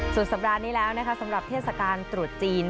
ส่วนสัปดาห์นี้แล้วนะคะสำหรับเทศกาลตรุษจีน